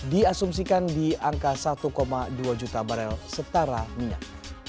diasumsikan di angka satu dua juta barel setara minyak